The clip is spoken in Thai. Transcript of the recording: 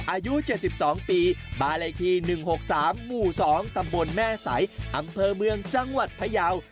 อายุ๗๒ปีบ้านเลขที่๑๖๓หมู่๒ตำบลแม่ใสอำเภอเมืองจังหวัดพยาว